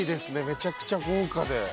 めちゃくちゃ豪華で。